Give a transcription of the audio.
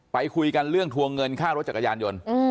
ไปคุยกันเรื่องทวงเงินค่ารถจักรยานยนต์